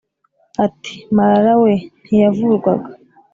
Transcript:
ati: “marara we ntiyavurwaga